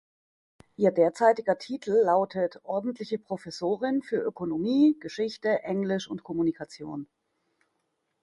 Ihr derzeitiger Titel lautet Ordentliche Professorin für Ökonomie, Geschichte, Englisch und Kommunikation.